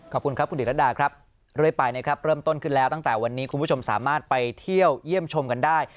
ขอบคุณครับคุณดิรดาครับเรื่อยไปนะครับเริ่มต้นขึ้นแล้วตั้งแต่วันนี้คุณผู้ชมสามารถไปเที่ยวเยี่ยมชมกันได้